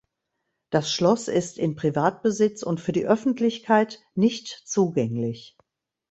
Das Schloss ist in Privatbesitz und für die Öffentlichkeit nicht zugänglich.